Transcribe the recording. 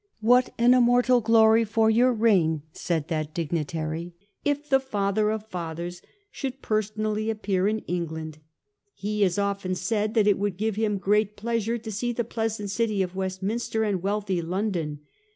What an immortal glory for your reign," said that dignitary, " if the Father of Fathers should personally appear in England ! He has often said that it would give him great pleasure to see the pleasant city of Westminster, and wealthy London."